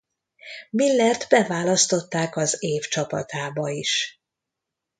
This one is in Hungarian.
Millert beválasztották az év csapatába is.